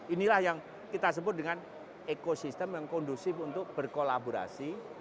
inilah yang kita sebut dengan ekosistem yang kondusif untuk berkolaborasi